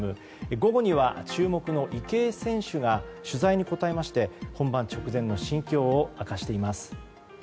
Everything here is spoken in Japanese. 午後には注目の池江選手が取材に答えまして本番直前の心境を明かしています。